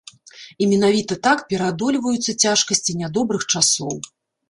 І менавіта так пераадольваюцца цяжкасці нядобрых часоў.